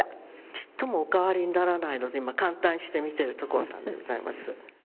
ちっともお変わりにならないので今感嘆して見てるところなんでございます。